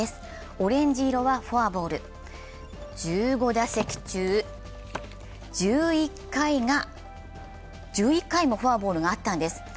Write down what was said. オレンジ色はフォアボール、１５打席中１１回もフォアボールがあったんです。